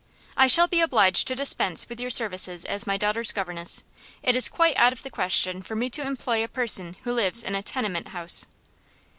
"I shall be obliged to dispense with your services as my daughter's governess. It is quite out of the question for me to employ a person who lives in a tenement house."